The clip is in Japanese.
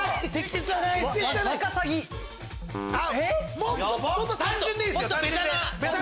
もっと単純でいいです。